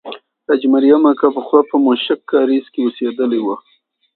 حاجي مریم اکا پخوا په موشک کارېز کې اوسېدلې وه.